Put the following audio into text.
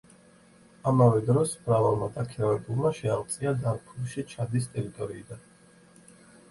ამავე დროს მრავალმა დაქირავებულმა შეაღწია დარფურში ჩადის ტერიტორიიდან.